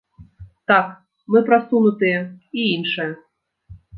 Так, мы прасунутыя і іншае.